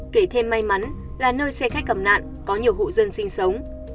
kể thêm may mắn là nơi xe khách cầm nạn có nhiều hộ dân sinh sống